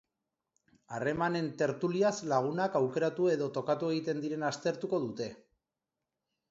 Harremanen tertuliaz lagunak aukeratu edo tokatu egiten diren aztertuko dute.